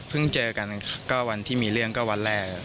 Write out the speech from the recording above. เจอกันก็วันที่มีเรื่องก็วันแรก